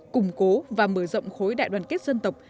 củng cố và mở rộng khối đại đoàn kết dân tộc